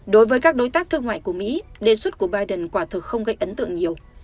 đối với các đối tác thương mại của mỹ đề xuất của biden quả thực không gây ấn tượng nhiều